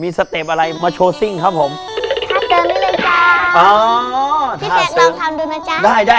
มีสเต็ปอะไรมาโชว์ซิ่งครับผมท่าเซิงนี้เลยจ้า